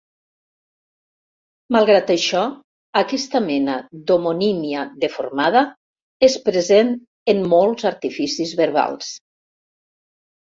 Malgrat això, aquesta mena d'homonímia deformada és present en molts artificis verbals.